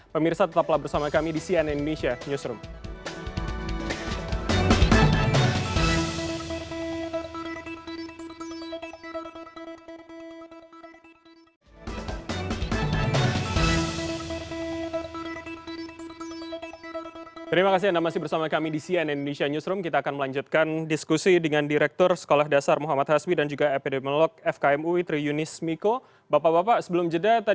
pemirsa tetaplah bersama kami di cnn indonesia newsroom